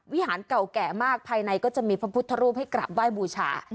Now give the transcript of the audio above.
วิหารเก่าแก่มากภายในก็จะมีพระพุทธรูปให้กลับไหว้บูชา